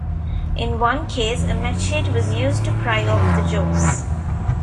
In one case, a machete was used to pry off the jaws.